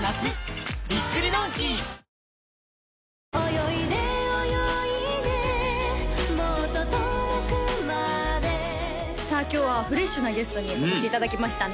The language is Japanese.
泳いで泳いでもっと遠くまでさあ今日はフレッシュなゲストにお越しいただきましたね